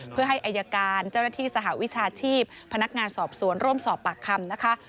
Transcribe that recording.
เพื่อให้อายการเจ้าหน้าที่สหวิชาชีพพนักงานสอบสวนร่วมสอบปากคำนะคะ